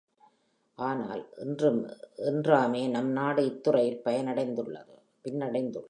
ஆனால் இன்றாே, நம் நாடு இத்துறையில் பின்னடைந்துள்ளது.